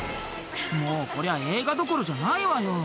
「もうこりゃ映画どころじゃないわよ」